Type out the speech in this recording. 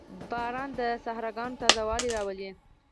• باران د صحراګانو تازهوالی راولي.